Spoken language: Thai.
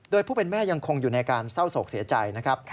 โดยผู้เป็นแม่ยังคงอยู่ในการเศร้าโศกเสียใจนะครับ